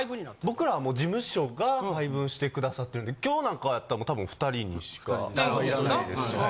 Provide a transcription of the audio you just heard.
僕らは事務所が配分して下さってるんで今日なんかやったらたぶん２人にしか入らないですし。